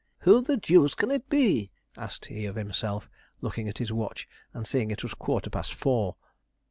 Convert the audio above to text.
'Who the deuce can it be?' asked he of himself, looking at his watch, and seeing it was a quarter past four.